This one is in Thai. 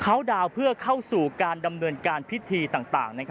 เขาดาวน์เพื่อเข้าสู่การดำเนินการพิธีต่าง